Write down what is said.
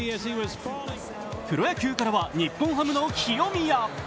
プロ野球からは日本ハムの清宮。